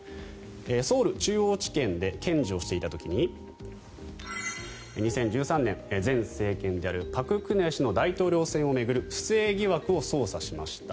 ソウル中央地検で検事をしていた時に２０１３年、前政権である朴槿惠氏の大統領選での不正疑惑を捜査しました。